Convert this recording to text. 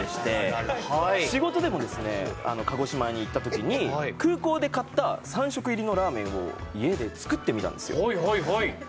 仕事でも鹿児島に行ったときに空港で買った３食入りのラーメンを家で作ってみたんですよ。